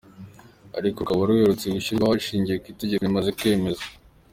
Ariko rukaba ruherutse gushyirwaho hashingiwe ku itegeko rimaze kwemezwa.